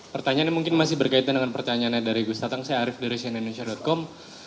pertanyaannya mungkin masih berkaitan dengan pertanyaannya dari gus tatang saya arief dari siena indonesia com